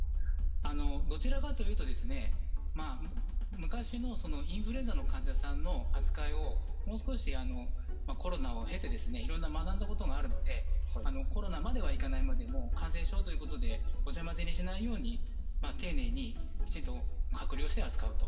どちらかというと昔のインフルエンザの患者さんの扱いをもう少し、コロナを経ていろいろ学んだことがあるので、コロナまではいかないまでも感染症ということで、ごちゃまぜにしないように、丁寧に、きちんと隔離をして扱うと。